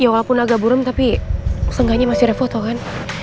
ya walaupun agak burung tapi seenggaknya masih ada foto kan